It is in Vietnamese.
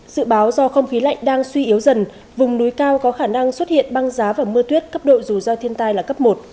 dự báo do không khí lạnh đang suy yếu dần vùng núi cao có khả năng xuất hiện băng giá và mưa tuyết cấp độ rủi ro thiên tai là cấp một